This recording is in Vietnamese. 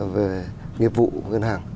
về nghiệp vụ ngân hàng